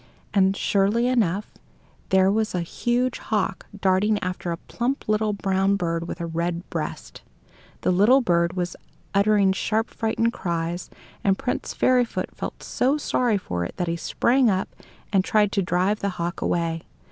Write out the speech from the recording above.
And, surely enough, there was a huge hawk darting after a plump little brown bird with a red breast. The little bird was uttering sharp frightened cries, and Prince Fairyfoot felt so sorry for it that he sprang up and tried to drive the hawk away.